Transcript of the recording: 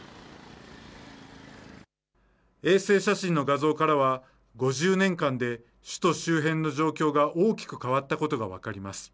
衛星写真の画像からは、５０年間で首都周辺の状況が大きく変わったことが分かります。